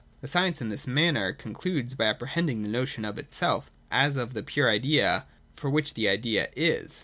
The science in this manner concludes by ' apprehending the notion of itself, as of the pure idea for which the idea is.